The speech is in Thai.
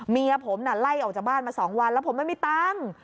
เมียผมน่ะไล่ออกจากบ้านมา๒วันแล้วผมไม่มีตังค์